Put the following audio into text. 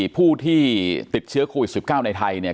ผู้ที่ติดเชื้อโควิด๑๙ในไทยเนี่ย